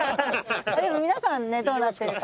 でも皆さんねどうなってるか。